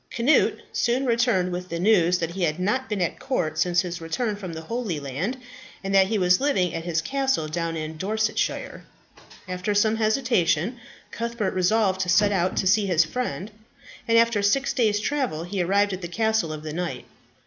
Cnut soon returned with the news that he had not been at the court since his return from the Holy Land, and that he was living at his castle down in Dorsetshire. After some hesitation, Cuthbert resolved to set out to see his friend, and after six days' travel he arrived at the castle of the knight.